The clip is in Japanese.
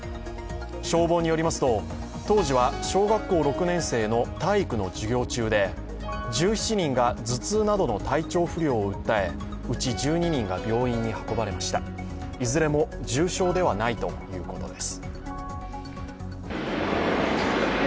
消防によりますと、当時は小学校６年生の体育の授業中で１７人が頭痛などの体調不良を訴えうち１２人が病院に運ばれましたいずれも重症ではないということです。